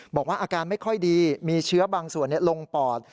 บอกว่าอาการไม่ค่อยดีมีเชื้อบางส่วนลงปอด